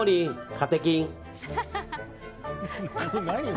カテキン！